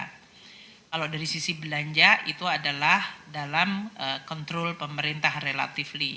kalau dari sisi belanja itu adalah dalam kontrol pemerintah relatively